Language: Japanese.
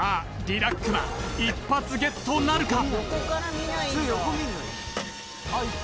リラックマ一発ゲットなるか？